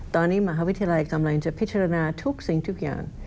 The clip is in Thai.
ตอนนี้มหาวิทยาลัยกำลังจะพิจารณาทุกสิ่งทุกอย่าง